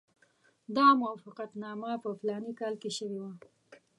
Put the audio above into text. دا موافقتنامه په فلاني کال کې شوې وه.